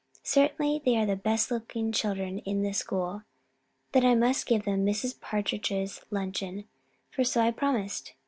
Certainly, they are the best looking children in the school. Then I must give them Mrs. Partridge's luncheon, for so I promised.